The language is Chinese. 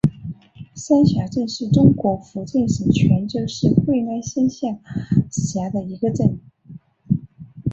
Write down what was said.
山霞镇是中国福建省泉州市惠安县下辖的一个镇。